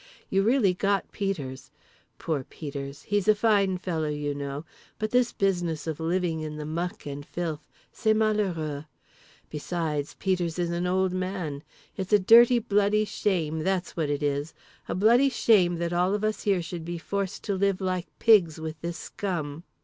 You really got Peters. Poor Peters, he's a fine fellow, you know; but this business of living in the muck and filth, c'est malheureux. Besides, Peters is an old man. It's a dirty bloody shame, that's what it is. A bloody shame that all of us here should be forced to live like pigs with this scum!